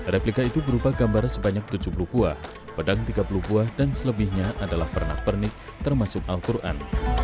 replika itu berupa gambar sebanyak tujuh puluh buah pedang tiga puluh buah dan selebihnya adalah pernak pernik termasuk al quran